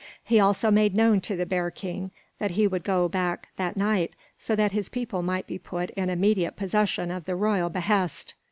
He also made known to the bear king that he would go back that night so that his people might be put in immediate possession of the royal behest.